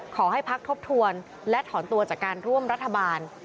ขอให้พักทบทวนและถอนตัวจากการร่วมรัฐบาล